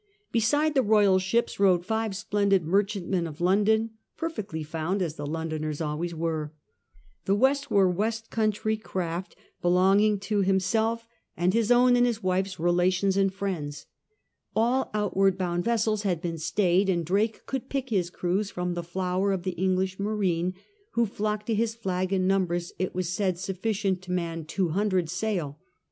Beside the royal ships rode five splendid merchantmen of London, perfectly found, as the Londoners always were. The rest were west country craft belonging to himself and X EQUIPS AN EXPEDITIONAR Y FORCE 137 — I 'i I I '— r I — to his own and his wife's relations and friends. All outward bound vessels had been stayed, and Drake could pick his crews from the flower of the English marine, who flocked to his flag in numbers, it was said, sufficient to man two hundred sail.